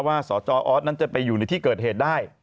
สจออสนั้นจะไปอยู่ในที่เกิดเหตุได้